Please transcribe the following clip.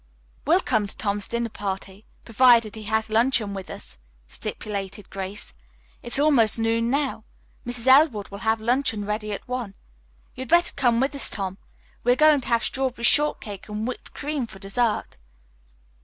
"We'll come to Tom's dinner party, provided he has luncheon with us," stipulated Grace. "It's almost noon now. Mrs. Elwood will have luncheon ready at one. You'd better come with us, Tom. We are going to have strawberry shortcake with whipped cream, for dessert."